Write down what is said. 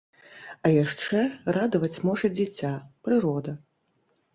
А яшчэ радаваць можа дзіця, прырода.